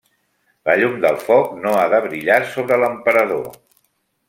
La llum del foc no ha de brillar sobre l'emperador.